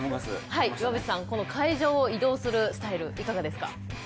岩渕さん、この会場を移動するスタイルいかがですか。